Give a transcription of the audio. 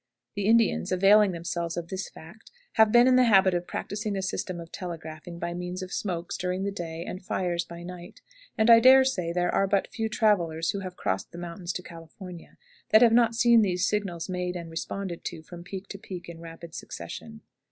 The Indians, availing themselves of this fact, have been in the habit of practicing a system of telegraphing by means of smokes during the day and fires by night, and, I dare say, there are but few travelers who have crossed the mountains to California that have not seen these signals made and responded to from peak to peak in rapid succession.